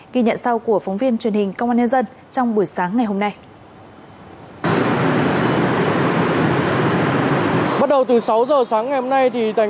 ghi nhận sau của phóng viên truyền hình công an nhân dân trong buổi sáng ngày hôm nay